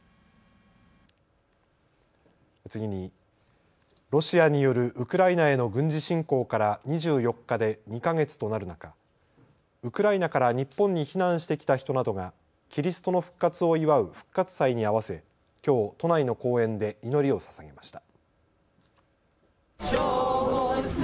次に、ロシアによるウクライナへの軍事侵攻から２４日で２か月となる中、ウクライナから日本に避難してきた人などがキリストの復活を祝う復活祭に合わせきょう都内の公園で祈りをささげました。